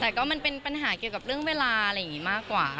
แต่ก็มันเป็นปัญหาเกี่ยวกับเรื่องเวลาอะไรอย่างนี้มากกว่า